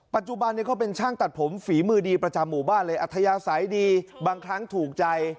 ปัจจุบันนี้เขาเป็นช่างตัดผมฝีมือดีประจำหมู่บ้านเลยอัธยาศัยดีบางครั้งถูกใจ